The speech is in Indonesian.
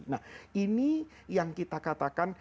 nah ini yang kita katakan